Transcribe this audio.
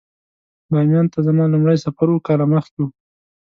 باميان ته زما لومړی سفر اووه کاله مخکې و.